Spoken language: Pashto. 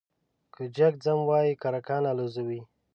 که جگ ځم وايي کرکان الوزوې ،